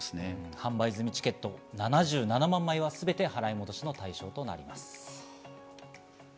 販売済みチケット、７７万枚はすべて払い戻しの対象となります。